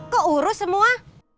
kok urus semua